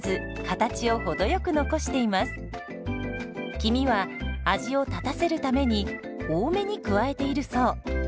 黄身は味を立たせるために多めに加えているそう。